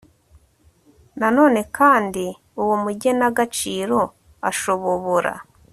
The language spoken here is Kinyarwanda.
Na none kandi uwo mugenagaciro ashobobora